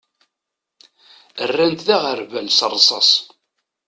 Rran-t d aɣerbal s rrsas.